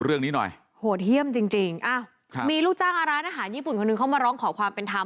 เรื่องนี้หน่อยโหดเยี่ยมจริงจริงอ้าวมีลูกจ้างร้านอาหารญี่ปุ่นคนหนึ่งเข้ามาร้องขอความเป็นธรรม